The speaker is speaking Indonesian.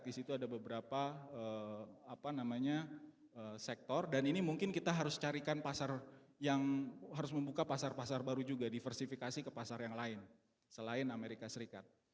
di situ ada beberapa sektor dan ini mungkin kita harus carikan pasar yang harus membuka pasar pasar baru juga diversifikasi ke pasar yang lain selain amerika serikat